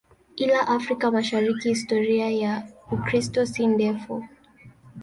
Ila Afrika Mashariki historia ya Ukristo si ndefu.